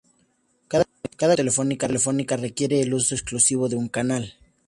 Cada conexión telefónica requería el uso exclusivo de un canal.